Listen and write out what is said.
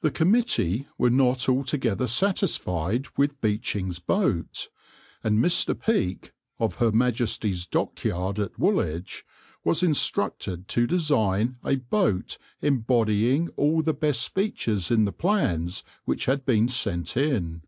The committee were not altogether satisfied with Beeching's boat, and Mr. Peake, of Her Majesty's Dockyard at Woolwich, was instructed to design a boat embodying all the best features in the plans which had been sent in.